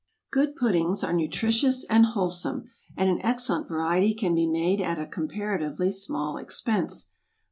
Good puddings are nutritious and wholesome, and an excellent variety can be made at a comparatively small expense.